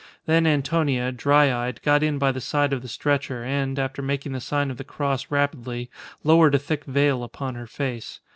Then Antonia, dry eyed, got in by the side of the stretcher, and, after making the sign of the cross rapidly, lowered a thick veil upon her face.